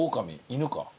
犬か。